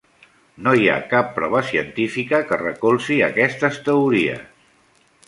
No hi ha cap prova científica que recolzi aquestes teories.